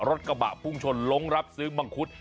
รถกระบะพุ่งชนลงรับซื้อมังคุด